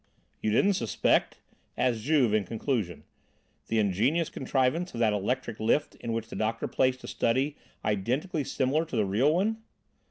"You didn't suspect," asked Juve in conclusion, "the ingenious contrivance of that electric lift in which the doctor placed a study identically similar to the real one?"